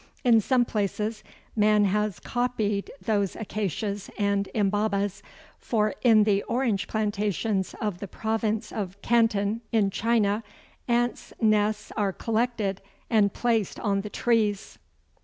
In some places man has copied those Acacias and Imbaubas, for in the orange plantations of the province of Canton, in China, ants' nests are collected and placed on the trees.